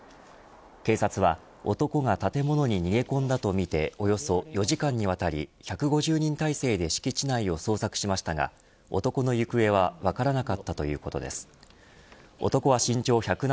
警察は男が建物に逃げ込んだとみておよそ４時間にわたり１５０人態勢で敷地内を捜索しましたが金曜日のお天気をお伝えします。